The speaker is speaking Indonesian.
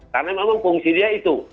karena memang fungsi dia itu